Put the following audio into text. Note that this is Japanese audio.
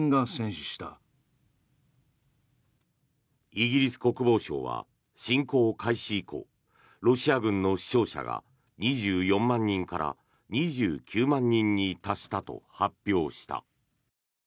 イギリス国防省は侵攻開始以降ロシア軍の死傷者が２４万人から２９万人に達したと発表した。